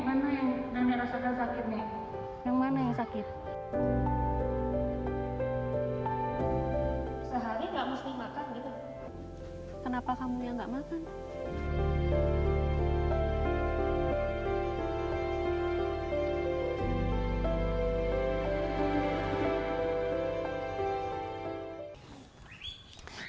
kenapa kamu yang tidak makan